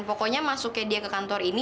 pokoknya masuknya dia ke kantor ini